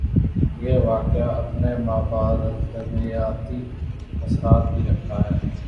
یہ واقعہ اپنے ما بعدالطبیعاتی اثرات بھی رکھتا ہے۔